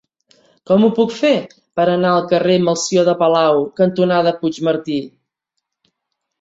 Com ho puc fer per anar al carrer Melcior de Palau cantonada Puigmartí?